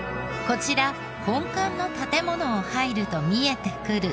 こちら本館の建ものを入ると見えてくる。